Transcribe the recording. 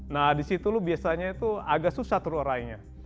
nah di situ lu biasanya itu agak susah terlurainya